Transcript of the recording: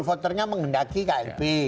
voternya menghendaki klb